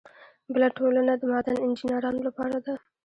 بله ټولنه د معدن انجینرانو لپاره ده.